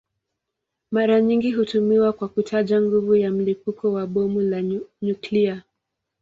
Mara nyingi hutumiwa kwa kutaja nguvu ya mlipuko wa bomu la nyuklia.